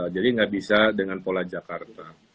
jadi nggak bisa dengan pola jakarta